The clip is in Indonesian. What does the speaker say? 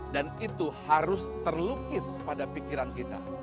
dan itu harus terlukis pada pikiran kita